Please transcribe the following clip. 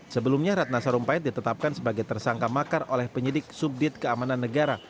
sebelumnya ratna sarumpait ditetapkan sebagai tersangka makar oleh penyidik subdit keamanan negara